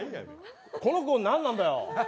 この子、何なんだよ！